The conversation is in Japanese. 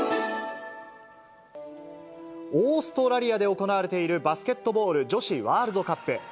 オーストラリアで行われている、バスケットボール女子ワールドカップ。